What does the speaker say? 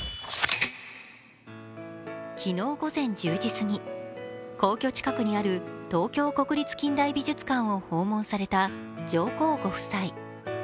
昨日午前１０時すぎ、皇居近くにある東京国立近代美術館を訪問された上皇ご夫妻。